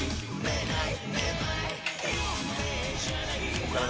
こっから